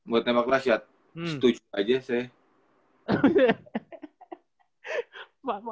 buat tembak last shot setuju aja saya